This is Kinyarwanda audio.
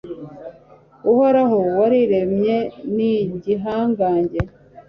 uhoraho wariremye ni igihangange